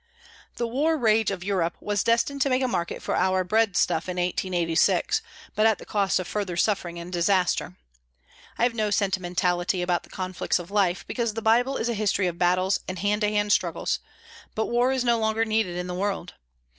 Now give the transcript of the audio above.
The war rage of Europe was destined to make a market for our bread stuff in 1886, but at the cost of further suffering and disaster. I have no sentimentality about the conflicts of life, because the Bible is a history of battles and hand to hand struggles, but war is no longer needed in the world.